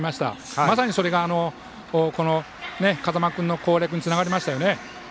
まさにそれが、風間君の攻略につながりましたよね。